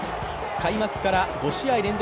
開幕から５試合連続